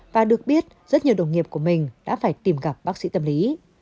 và được biết rất nhiều đồng nghiệp của mình đã phải tìm gặp bác sĩ tâm lý